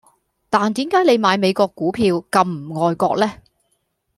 但點解你買美國股票咁唔愛國呢